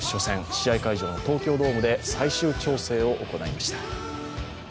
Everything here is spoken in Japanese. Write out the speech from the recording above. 試合会場の東京ドームで最終調整を行いました。